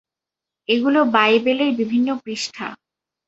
এগুলো বাইবেলের বিভিন্ন পৃষ্ঠা।